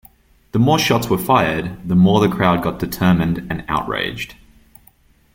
The more shots were fired, the more the crowd got determined and outraged.